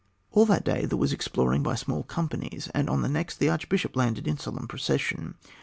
All that day there was exploring by small companies, and on the next the archbishop landed in solemn procession.